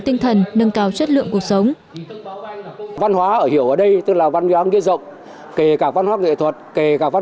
tinh thần nâng cao chất lượng cuộc sống văn hóa ở hiểu ở đây tức là văn hóa nghĩa rộng kể cả văn